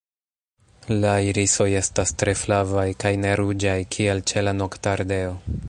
La irisoj estas tre flavaj kaj ne ruĝaj, kiel ĉe la Noktardeo.